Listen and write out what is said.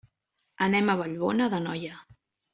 Anem a Vallbona d'Anoia.